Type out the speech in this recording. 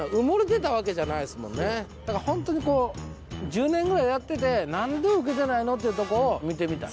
まだほんとにこう１０年ぐらいやってて何で受けてないの？っていうとこを見てみたい。